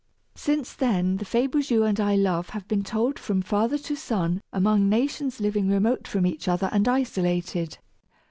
Since then, the fables you and I love have been told from father to son among nations living remote from each other and isolated.